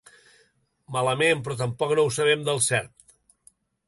Malament, però tampoc no ho sabem del cert.